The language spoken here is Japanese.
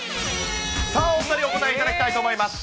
さあ、お２人、お答えいただきたいと思います。